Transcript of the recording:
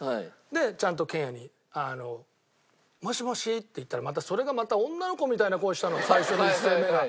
でちゃんと健也に「もしもし」って言ったらまたそれがまた女の子みたいな声したの最初の一声目が。